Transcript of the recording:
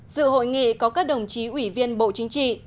dự hội nghị có các đồng chí ủy viên bộ chính trị